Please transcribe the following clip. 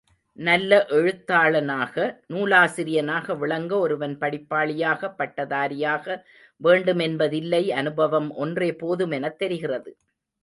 நல்ல எழுத்தாளனாக, நூலாசிரியனாக விளங்க ஒருவன் படிப்பாளியாக பட்டதாரியாக வேண்டுமென்பதில்லை அனுபவம் ஒன்றே போதும் எனத் தெரிகிறது.